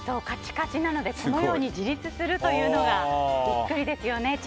カチカチなのでこのように自立するというのがびっくりですよね。